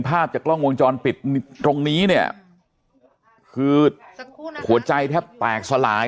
ภาพจากกล้องวงจรปิดตรงนี้เนี่ยคือหัวใจแทบแตกสลาย